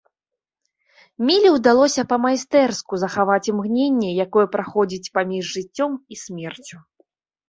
Міле ўдалося па-майстэрску захаваць імгненне, якое праходзіць паміж жыццём і смерцю.